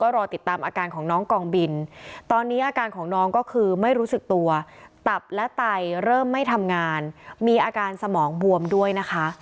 รอติดตามอากาศของน้องกองบินเติบและไตเริ่มไม่ทำงานมีอากาศสมองบวมด้วยนะคะ